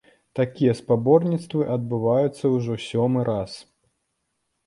Такія спаборніцтвы адбываюцца ўжо сёмы раз.